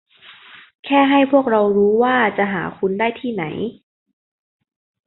แค่ให้พวกเรารู้ว่าจะหาคุณได้ที่ไหน